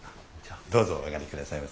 どうぞお上がりくださいませ。